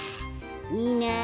いいなあ。